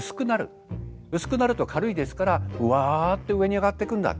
薄くなると軽いですからふわって上に上がっていくんだ。